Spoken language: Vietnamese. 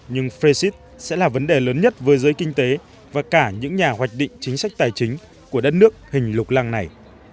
nhưng frecit sẽ là vấn đề lớn nhất với giới kinh tế và cả những nhà hoạch định chính sách tài chính của đất nước hình lục lăng này